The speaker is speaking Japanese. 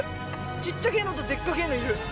ちっちゃけえのとでっかけえのいる。